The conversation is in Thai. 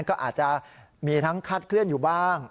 ก็อาจจะมีทั้งคาดเคลื่อนอยู่บ้าง